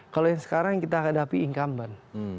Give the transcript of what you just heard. kalau yang sekarang yang kita hadapi ingkamban